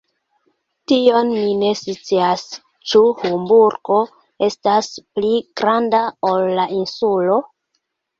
Tion mi ne scias; ĉu Hamburgo estas pli granda ol la Insulo?